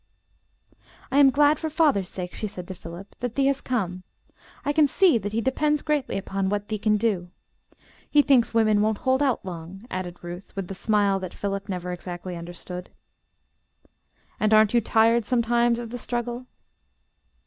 "I am glad for father's sake," she said to Philip, "that thee has come. I can see that he depends greatly upon what thee can do. He thinks women won't hold out long," added Ruth with the smile that Philip never exactly understood. "And aren't you tired sometimes of the struggle?"